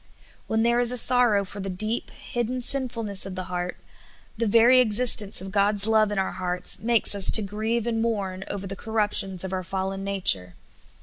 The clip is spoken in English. When there is a sorrow for the deep, hidden sinful ness of the heart, the very existence of God's love in our hearts makes us to grieve and mourn over the cor ruptions of our fallen nature.